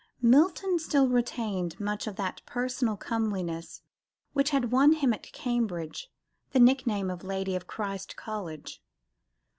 Milton still retained much of that personal comeliness which had won him, at Cambridge, the nickname of "Lady of Christ's College."